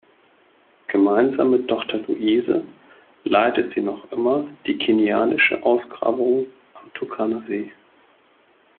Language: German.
Gemeinsam mit Tochter Louise leitet sie noch immer die kenianischen Ausgrabungen am Turkana-See.